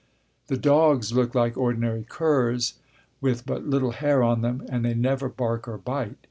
The dogs look like ordinary curs, with but little hair on them, and they never bark or bite.